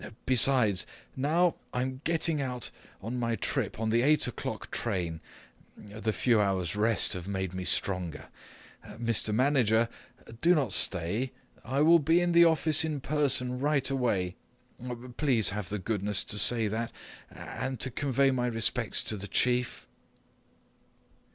Besides, now I'm setting out on my trip on the eight o'clock train; the few hours' rest have made me stronger. Mr. Manager, do not stay. I will be at the office in person right away. Please have the goodness to say that and to convey my respects to the Chief."